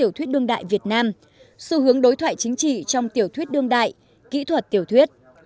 tiểu thuyết đương đại việt nam xu hướng đối thoại chính trị trong tiểu thuyết đương đại kỹ thuật tiểu thuyết